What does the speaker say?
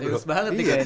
serius banget ini